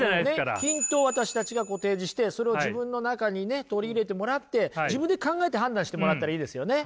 ヒントを私たちが提示してそれを自分の中にね取り入れてもらって自分で考えて判断してもらったらいいですよね。